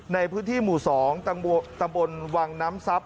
ในพื้นที่หมู่๒ตำบลวังน้ำทรัพย